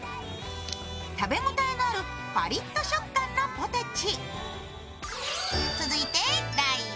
食べ応えのあるパリっと食感のポテチ。